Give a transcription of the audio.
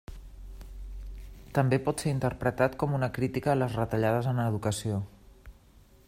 També pot ser interpretat com una crítica a les retallades en educació.